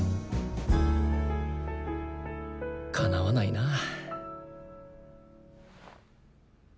かなわないなぁ。